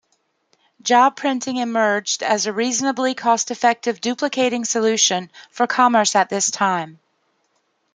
Job printing emerged as a reasonably cost-effective duplicating solution for commerce at this time.